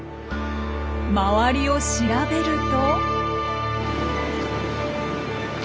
周りを調べると。